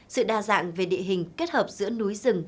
sự đa dạng về địa hình kết hợp giữa núi rừng